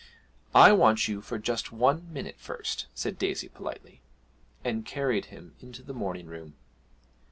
'I want you for just one minute first,' said Daisy politely, and carried him into the morning room.